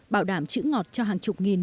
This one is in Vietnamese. bảo đảm chữ ngọt cho hàng chục nghìn